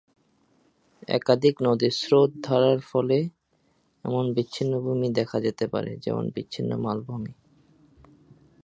একাধিক নদীর স্রোত-ধারার ফলে এমন বিচ্ছিন্ন ভূমি দেখা যেতে পারে যেমন বিচ্ছিন্ন মালভূমি।